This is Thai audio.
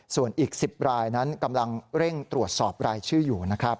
ส่วนอีก๑๐รายนั้นกำลังเร่งตรวจสอบรายชื่ออยู่นะครับ